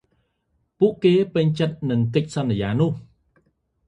ពួកគេពេញចិត្តនឹងកិច្ចសន្យានោះ។